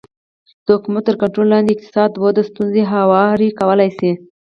د حکومت تر کنټرول لاندې اقتصادي وده ستونزې هوارې کولی شي